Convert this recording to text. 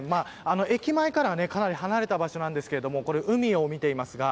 駅前からは、かなり離れた場所ですが、海を見てみます。